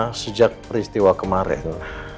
nah sejak peristiwa kemaren